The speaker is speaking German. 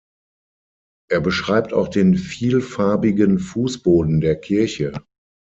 Er beschreibt auch den vielfarbigen Fußboden der Kirche.